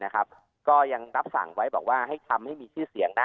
ก็ยังรับสั่งไว้บอกว่าให้ทำให้มีชื่อเสียงนะ